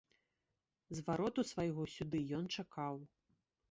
Звароту свайго сюды ён чакаў.